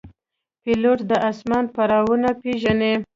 پیلوټ د آسمان پړاوونه پېژني.